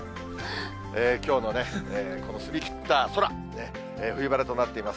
きょうのね、この澄み切った空、冬晴れとなっています。